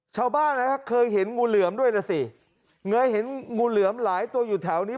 ชาวบ้านนะครับเคยเห็นงูเหลือมด้วยนะสิเคยเห็นงูเหลือมหลายตัวอยู่แถวนี้